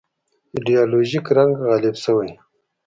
ایدیالوژیک رنګ غالب شوی.